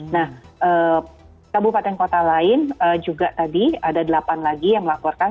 nah kabupaten kota lain juga tadi ada delapan lagi yang melaporkan